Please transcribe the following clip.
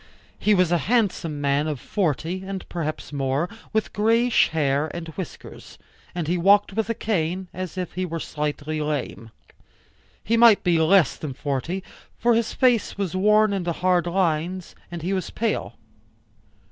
He was a handsome man of forty and perhaps more, with grayish hair and whiskers, and he walked with a cane, as if he were slightly lame. He might be less than forty, for his face was worn into hard lines, and he was pale.